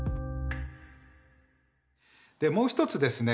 もう一つですね